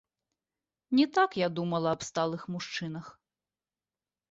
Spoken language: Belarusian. Не так я думала аб сталых мужчынах.